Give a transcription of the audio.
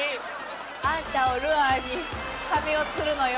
あんたをルアーにサメを釣るのよ。